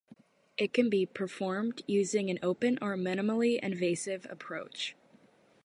It can be performed using an open or minimally invasive approach.